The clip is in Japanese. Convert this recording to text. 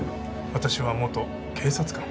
私は元警察官。